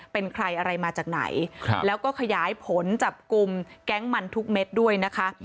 เป็นใครอะไรมาจากไหนแล้วก็ขยายผลจับกลุ่มแก๊งมันทุกเม็ดด้วยนะคะ